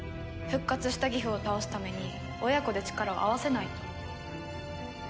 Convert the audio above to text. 復活したギフを倒すために親子で力を合わせないと。